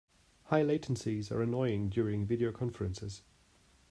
High latencies are annoying during video conferences.